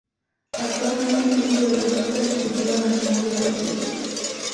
Actualmente es miembro de la Junta Ejecutiva Nacional del partido.